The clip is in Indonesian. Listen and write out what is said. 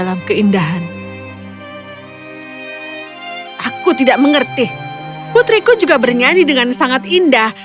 aku tidak mengerti putriku juga bernyanyi dengan sangat indah